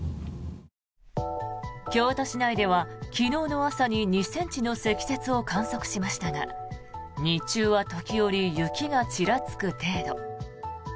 京都市内では昨日の朝に２ｃｍの積雪を観測しましたが日中は時折、雪がちらつく程度。